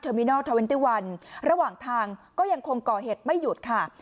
มินอลทาเวนตี้วันระหว่างทางก็ยังคงก่อเหตุไม่หยุดค่ะ